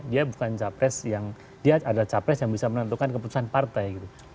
dia bukan capres yang dia adalah capres yang bisa menentukan keputusan partai gitu